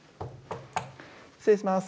失礼します。